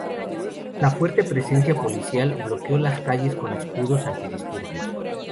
La fuerte presencia policial bloqueó las calles con escudos antidisturbios.